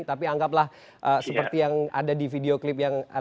tapi anggaplah seperti yang ada di videoclip atau video yang kita lakukan